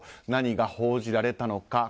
何が報じられたのか。